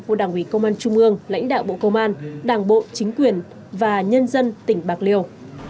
của đảng ủy công an trung ương lãnh đạo bộ công an đảng bộ chính quyền và nhân dân tỉnh bạc liêu